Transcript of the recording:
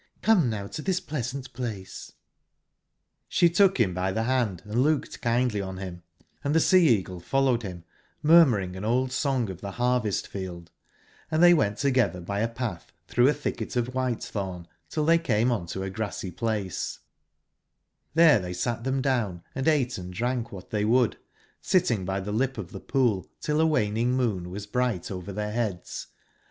Come now to tbis pleasant place "i^Sbe took bim by tbe band and looked kindly on bim, and tbe Sea/eagle followed bim, murmuringanold song of tbe barvest/field, and tbevwenttogetberbyapatb tbrougb a tbicket of wbitetDom till tbey came unto a grassy place, tlbere tben tbey sat tbem down, and ate and drank wbat tbey would, sitting by tbe lip of tbe pool till a waning moon was brigbt over tbeir beads.